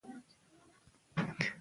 د مکسیکو بزګران هم ستونزې لري.